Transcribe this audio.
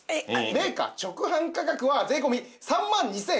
メーカー直販価格は税込３万２８００円なんですけど。